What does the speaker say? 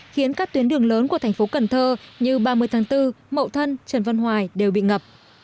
khiến các tuyến đường lớn của tp cn như ba mươi bốn mậu thân trần văn hoài đều bị ngập